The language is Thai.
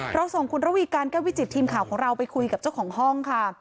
เราส่งคุณระวีการแก้ววิจิตทีมข่าวของเราไปคุยกับเจ้าของห้องค่ะ